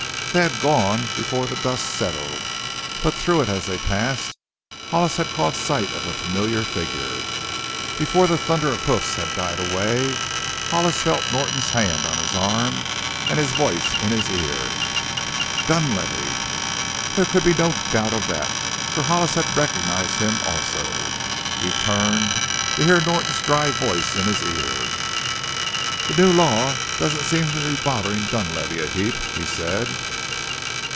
They had gone before the dust settled, but through it as they passed, Hollis had caught sight of a familiar figure. Before the thunder of hoofs had died away Hollis felt Norton's hand on his arm and his voice in his ear. "Dunlavey!" There could be no doubt of that, for Hollis had recognized him also. He turned, to hear Norton's dry voice in his ear. "The new law don't seem to be botherin' Dunlavey a heap," he said.